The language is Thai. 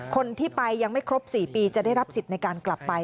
คนที่ไปยังไม่ครบ๔ปีจะได้รับสิทธิ์ในการกลับไป